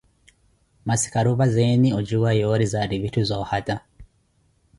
Masi kharupazeeni ocuwa yoori zaari vitthu zoohata.